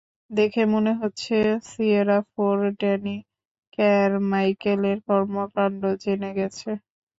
দেখে মনে হচ্ছে সিয়েরা ফোর, ড্যানি কারমাইকেলের কর্মকান্ড জেনে গেছে।